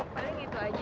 paling gitu aja